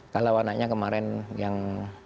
kalau anaknya kemarin yang